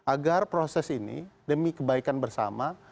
agar proses ini demi kebaikan bersama